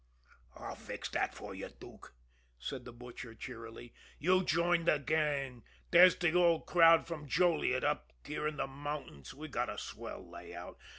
"I'll fix that fer you, Dook," said the Butcher cheerily. "You join de gang. There's de old crowd from Joliet up here in de mountains. We got a swell layout.